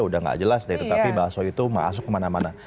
udah gak jelas deh tetapi bakso itu masuk kemana mana